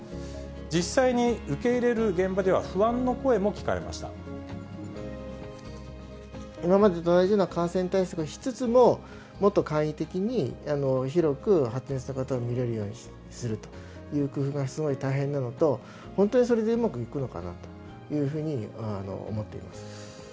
実際に受け入れる現場では、今までと同じような感染対策をしつつも、もっと簡易的に広く、発熱した方を診れるようにするという工夫がすごい大変なのと、本当にそれでうまくいくのかなというふうに思っています。